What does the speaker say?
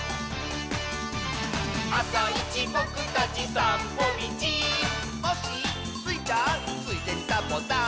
「あさいちぼくたちさんぽみち」「コッシースイちゃん」「ついでにサボさん」